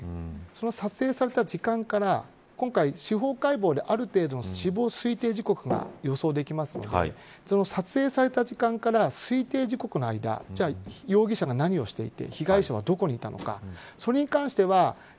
その撮影された時間から今回、司法解剖である程度、死亡推定時刻が予想されるので撮影された時間から死亡推定時刻の間容疑者が何をしていて被害者がどこにいたのか。